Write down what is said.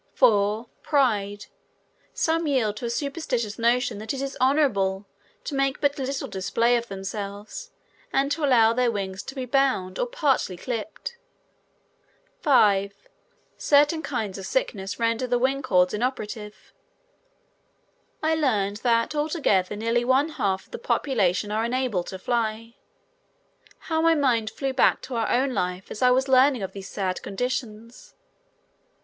4. Pride. Some yield to a superstitious notion that it is honorable to make but little display of themselves, and allow their wings to be bound or partly clipped. 5. Certain kinds of sickness render the wing chords inoperative. I learned that altogether nearly one half of the population are unable to fly. How my mind flew back to our own life as I was learning of these sad conditions.